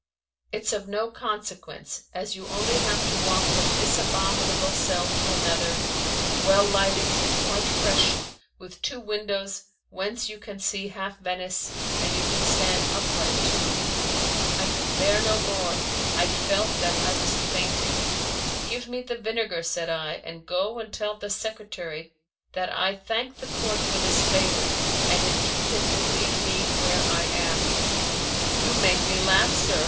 "It's of no consequence, as you only have to walk from this abominable cell to another, well lighted and quite fresh, with two windows whence you can see half Venice, and you can stand upright too." I could bear no more, I felt that I was fainting. "Give me the vinegar," said I, "and go and tell the secretary that I thank the Court for this favour, and entreat it to leave me where I am." "You make me laugh, sir.